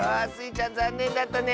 ちゃんざんねんだったね。